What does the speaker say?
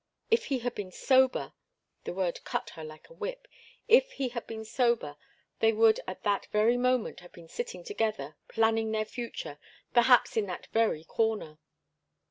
If he had been sober the word cut her like a whip if he had been sober, they would at that very moment have been sitting together planning their future perhaps in that very corner.